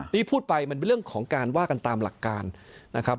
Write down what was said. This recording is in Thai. นี่พูดไปมันเป็นเรื่องของการว่ากันตามหลักการนะครับ